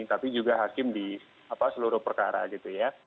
tapi juga hakim di seluruh perkara gitu ya